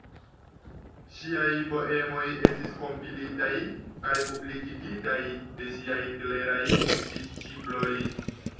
Ŝiaj poemoj estis kompilitaj kaj publikigitaj de ŝiaj kleraj disĉiploj.